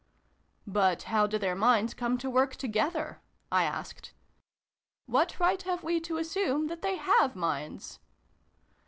" But how do their minds come to work together?" I asked. "What right have we to assume that they have minds